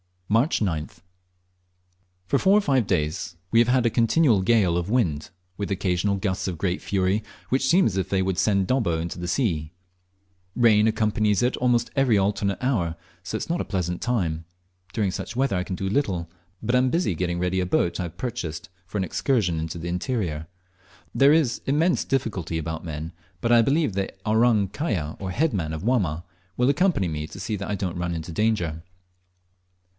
March 9th. For four or five days we have had a continual gale of wind, with occasional gusts of great fury, which seem as if they would send Dobbo into the sea. Rain accompanies it almost every alternate hour, so that it is not a pleasant time. During such weather I can do little, but am busy getting ready a boat I have purchased, for an excursion into the interior. There is immense difficulty about men, but I believe the "Orang kaya," or head man of Wamma, will accompany me to see that I don't run into danger.